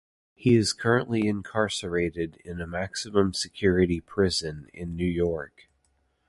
He is currently incarcerated in a maximum security prison in New York.